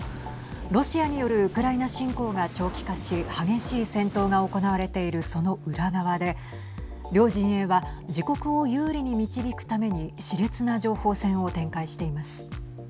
ロシアによるウクライナ侵攻が長期化し激しい戦闘が行われているその裏側で両陣営は自国を有利に導くためにしれつな情報戦を展開しています。